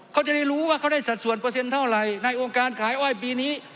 เขาจะได้รู้ว่าเขาได้สัดส่วนเปอร์เซ็นต์เท่าไหร่ในองค์การขายอ้อยปีนี้